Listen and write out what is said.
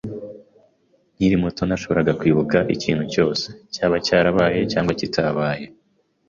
Nkiri muto nashoboraga kwibuka ikintu cyose, cyaba cyarabaye cyangwa kitabaye.